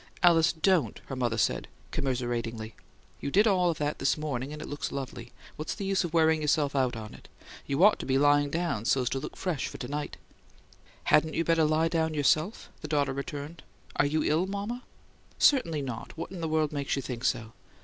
"Alice, DON'T!" her mother said, commiseratingly. "You did all that this morning and it looks lovely. What's the use of wearing yourself out on it? You ought to be lying down, so's to look fresh for to night." "Hadn't you better lie down yourself?" the daughter returned. "Are you ill, mama?" "Certainly not. What in the world makes you think so?"